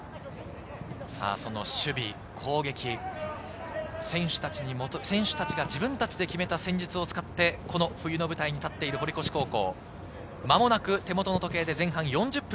その守備・攻撃、選手たちが自分たちで決めた戦術を使って、この冬の舞台に立っている堀越高校。